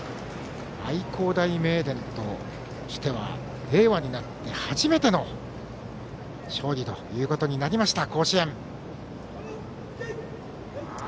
愛工大名電としては令和になって初めての甲子園で勝利ということになりました。